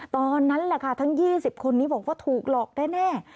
ตอนนั้นแหละค่ะทั้ง๒๐คนนี้บอกว่าถูกหลอกแน่